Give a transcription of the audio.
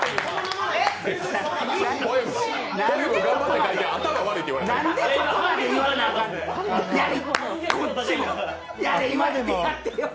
ポエム頑張って書いて頭悪いって言われたよ。